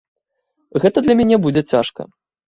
Гэта для мяне будзе цяжка.